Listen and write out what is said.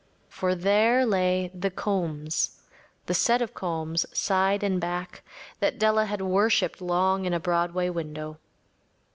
For there lay The Combs‚ÄĒthe set of combs, side and back, that Della had worshipped long in a Broadway window.